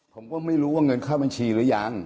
ผมก็ไม่รู้ว่าเงินเข้าบัญชีหรือยัง